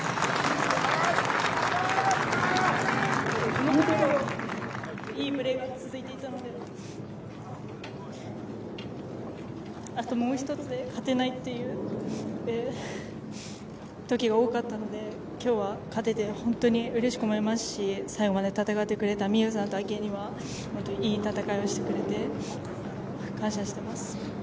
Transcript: このところ、いいプレーが続いていたのであともう一つで勝てないっていうときが多かったので今日は勝てて本当にうれしく思いますし最後まで戦ってくれた美夢有さんと明愛には本当にいい戦いをしてくれて、感謝しています。